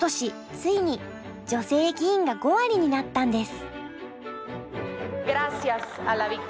ついに女性議員が５割になったんです。